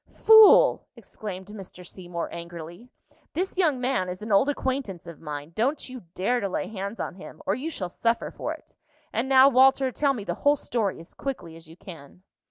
"Fool!" exclaimed Mr. Seymour, angrily, "this young man is an old acquaintance of mine. Don't you dare to lay hands on him, or you shall suffer for it! And now, Walter, tell me the whole story as quickly as you can."